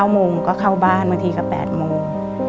โมงก็เข้าบ้านบางทีก็๘โมง